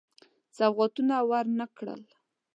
سوغاتونه ورنه کړل.